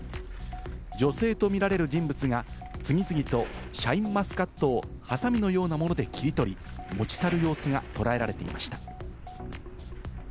女性とみられる人物が次々とシャインマスカットをはさみのようなもので切り取り、持ち去る様子が捉えられていました。